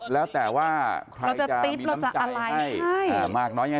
แล้วแต่ว่าใครจะมีน้ำใจให้